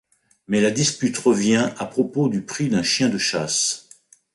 Mais la dispute revient à propos du prix d'un chien de chasse.